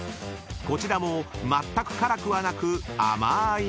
［こちらもまったく辛くはなく甘ーい物］